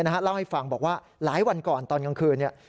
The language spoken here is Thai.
เล่าให้ฟังบอกว่าหลายวันก่อนตอนกลางคืน